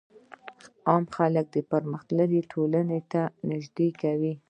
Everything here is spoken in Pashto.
علم خلک و پرمختللو ټولنو ته نژدي کوي.